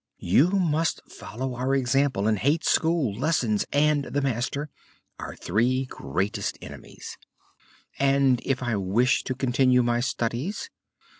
"You must follow our example and hate school, lessons, and the master our three greatest enemies." "And if I wish to continue my studies?"